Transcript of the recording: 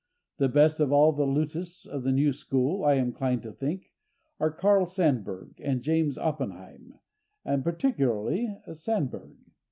The best of all the lutists of the new school, I am inclined to think, are Carl Sandburg and James Oppenheim, and particularly Sandburg.